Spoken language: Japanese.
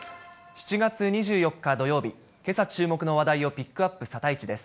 ７月２４日土曜日、けさ注目の話題をピックアップ、サタイチです。